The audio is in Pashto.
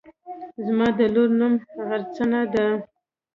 زما د لور نوم غرڅنۍ دی.